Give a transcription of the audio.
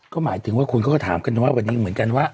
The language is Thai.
ก็หมายถึงว่าคนเขาก็ถามกันว่าวันนี้เหมือนกันว่า